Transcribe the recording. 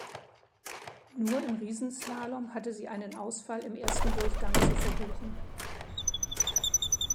Nur im Riesenslalom hatte sie einen Ausfall im ersten Durchgang zu verbuchen.